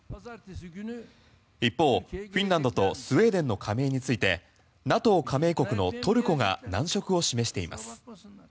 一方、フィンランドとスウェーデンの加盟についてＮＡＴＯ加盟国のトルコが難色を示しています。